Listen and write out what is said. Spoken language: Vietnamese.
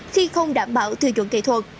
khi không đảm bảo thư chuẩn kỹ thuật